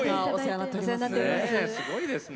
すごいですね。